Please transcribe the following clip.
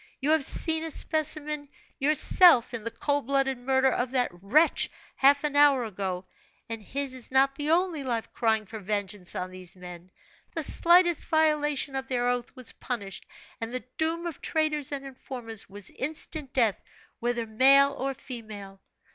You have seen a specimen yourself, in the cold blooded murder of that wretch half an hour ago; and his is not the only life crying for vengeance on these men. The slightest violation of their oath was punished, and the doom of traitors and informers was instant death, whether male or female.